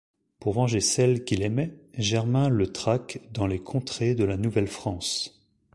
Pour venger celle qu'il aimait, Germain le traque dans les contrées de la Nouvelle-France.